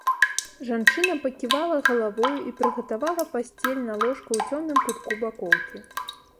Жанчына паківала галавою і прыгатавала пасцель на ложку ў цёмным кутку бакоўкі.